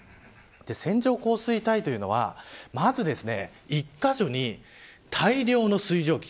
線状降水帯というのはまず１カ所に大量の水蒸気